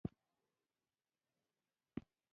نوې چوکۍ نرمه او آرامه وي